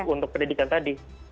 untuk pendidikan tadi